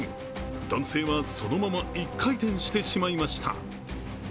男性は、そのまま１回転してしまいました。